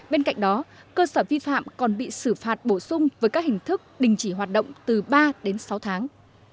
bên cạnh đó cơ sở vi phạm còn bị xử phạt bổ sung với các hình thức đình chỉ hoạt động từ ba đến sáu tháng